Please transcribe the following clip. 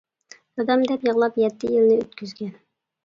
دادام دەپ يىغلاپ يەتتە يىلنى ئۆتكۈزگەن.